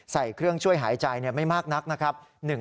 ใส่เครื่องช่วยหายใจไม่มากนักนะครับ